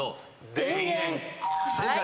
『田園』正解。